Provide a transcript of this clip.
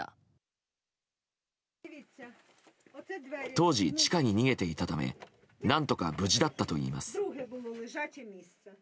当時、地下に逃げていたため何とか無事だったといいます。